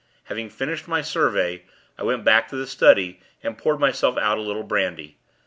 Having finished my survey, I went back to the study, and poured myself out a little brandy.